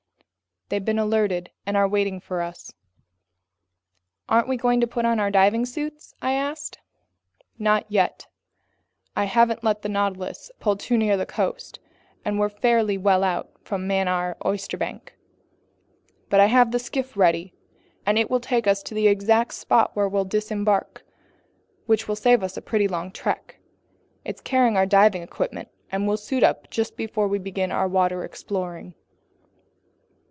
"They've been alerted and are waiting for us." "Aren't we going to put on our diving suits?" I asked. "Not yet. I haven't let the Nautilus pull too near the coast, and we're fairly well out from the Mannar oysterbank. But I have the skiff ready, and it will take us to the exact spot where we'll disembark, which will save us a pretty long trek. It's carrying our diving equipment, and we'll suit up just before we begin our underwater exploring."